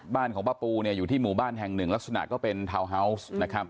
บ้านของป้าปูอยู่ที่หมู่บ้านแห่งหนึ่งลักษณะก็เป็นทาวน์ฮาวส์นะครับ